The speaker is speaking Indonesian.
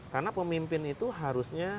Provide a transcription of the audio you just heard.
karena pemimpin itu harusnya